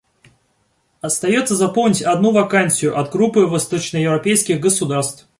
Остается заполнить одну вакансию от Группы восточноевропейских государств.